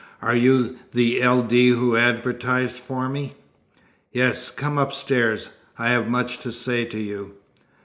"Are you the L. D. who advertised for me?" "Yes. Come upstairs. I have much to say to you."